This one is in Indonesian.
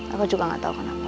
aku juga gak tahu kenapa